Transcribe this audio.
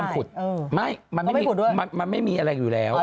เขาไม่ยอมขุดไม่มันมีอะไรอยู่แล้ว